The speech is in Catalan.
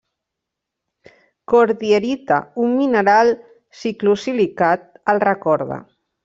Cordierita, un mineral ciclosilicat, el recorda.